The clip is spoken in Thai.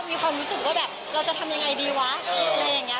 มีความรู้สึกว่าแบบเราจะทำยังไงดีวะอะไรอย่างนี้